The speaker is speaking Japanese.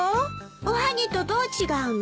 おはぎとどう違うの？